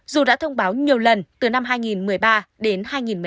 dù đã thông báo nhiều lần từ năm hai nghìn một mươi ba đến hai nghìn một mươi tám